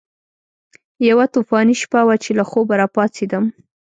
یوه طوفاني شپه وه چې له خوبه راپاڅېدم.